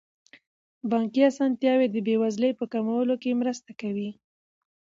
بانکي اسانتیاوې د بې وزلۍ په کمولو کې مرسته کوي.